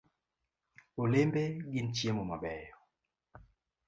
Olembe gin chiemo mabeyo .